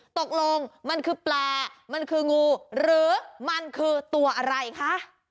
ตกลงมันคือแปลมันคืองูหรือมันคือตัวอะไรคะ